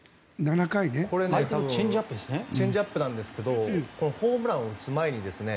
これチェンジアップなんですけどホームランを打つ前に。